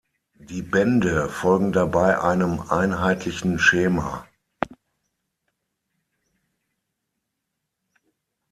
Die Bände folgen dabei einem einheitlichen Schema.